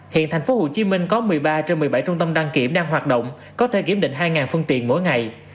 hiện tp hcm có một mươi ba trên một mươi bảy trung tâm đăng kiểm đang hoạt động có thể kiểm định hai phương tiện mỗi ngày